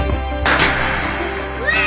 うわっ！